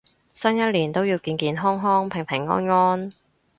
新一年都要健健康康平平安安